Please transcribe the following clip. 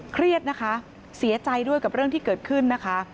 เครียดนะคะเสียใจด้วยกับเรื่องที่เกิดขึ้นนะคะ